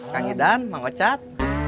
kang idan maucat